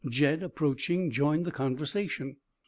Jed, approaching, joined the conversation.